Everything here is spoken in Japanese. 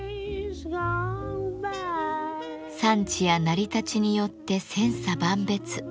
産地や成り立ちによって千差万別。